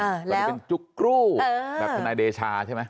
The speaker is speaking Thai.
แต่วันนี้เป็นจุกรู่และนายเดชาใช่ไหม